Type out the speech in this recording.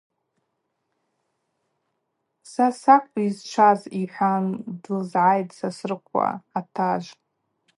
Са сакӏвпӏ йызчваз — йхӏван длызгӏайтӏ Сосрыкъва атажв.